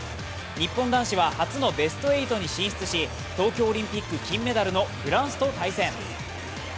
日本男子は初のベスト８に進出し東京オリンピック金メダルのフランスと対戦。